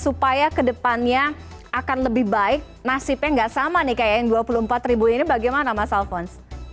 supaya ke depannya akan lebih baik nasibnya enggak sama nih kayak yang dua puluh empat ini bagaimana mas alvan